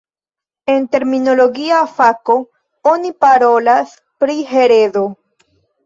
En terminologia fako, oni parolas pri heredo.